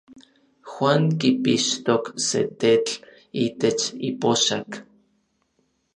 Juan kipixtok se tetl itech ipoxak.